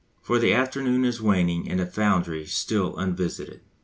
For the afternoon is waning and the foundry still unvisited.